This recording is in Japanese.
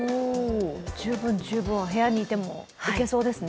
十分、十分、部屋にいてもいけそうですね。